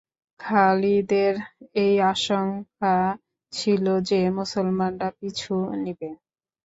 খালিদের এই আশঙ্কা ছিল যে, মুসলমানরা পিছু নিবে।